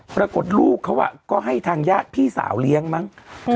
ปรากฏลูกเขาก็ให้ทางญาติพี่สาวเลี้ยงมั้ง